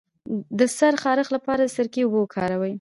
د سر د خارښ لپاره د سرکې اوبه وکاروئ